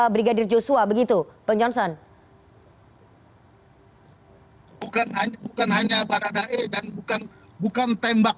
brigadir joshua begitu bang johnson bukan hanya bukan hanya baradae dan bukan bukan tembak